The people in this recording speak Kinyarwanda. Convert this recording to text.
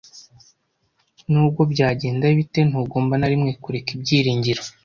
Nubwo byagenda bite, ntugomba na rimwe kureka ibyiringiro.